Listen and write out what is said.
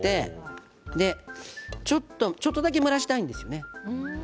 ちょっとだけ蒸らしたいんですよね。